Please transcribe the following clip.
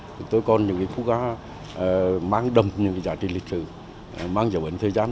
chúng tôi còn những cái khu gá mang đầm những cái giá trị lịch sử mang dấu ẩn thời gian